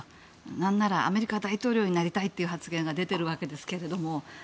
なんならアメリカ大統領になりたいという発言が出ているわけですけども。